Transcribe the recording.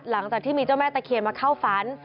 หลังจากที่มีเจ้าแม่ตะเคียนมาเข้าฝัน